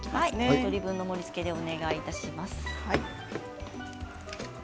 １人分の盛りつけでお願いします。